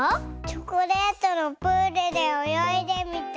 チョコレートのプールでおよいでみたい。